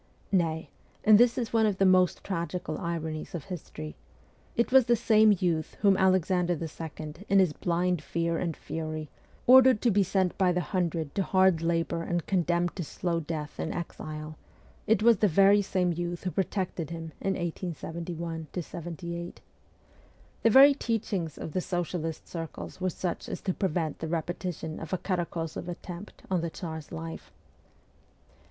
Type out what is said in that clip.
Nay and this is one of the most tragical ironies of history it was the same youth whom Alexander II., in his blind fear and fury, ordered to be sent by the hundred to hard labour and condemned to slow death in exile ; it was the same youth who protected him in 1871 78. The very teachings of the socialist circles were such as to prevent the repetition of a Karakozoff attempt on the Tsar's life.